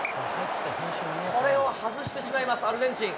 これを外してしまいます、アルゼンチン。